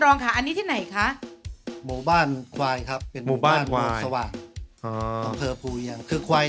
ลองลิงจะถามเอ้าลองดูเผื่อได้